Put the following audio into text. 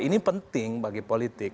ini penting bagi politik